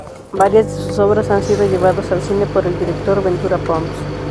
Varias de sus obras han sido llevadas al cine por el director Ventura Pons.